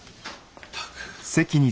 ったく。